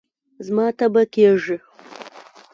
زما تبه کېږي